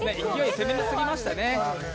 攻めすぎましたね。